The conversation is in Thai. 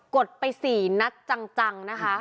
กดไปสี่นัดจังนะคะ